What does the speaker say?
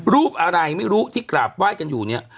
รูปอะไรไม่รู้ที่กราบไหว้กันอยู่เนี่ย